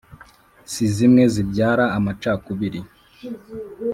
si zimwe zibyara amacakubiri.